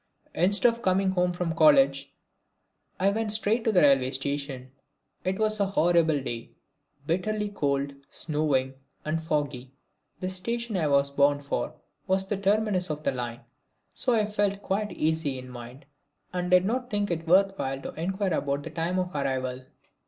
Instead of coming home from college I went straight to the railway station. It was a horrible day, bitterly cold, snowing and foggy. The station I was bound for was the terminus of the line. So I felt quite easy in mind and did not think it worth while to inquire about the time of arrival.